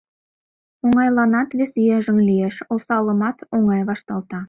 Оҥайланат вес йыжыҥ лиеш, осалымат оҥай вашталта.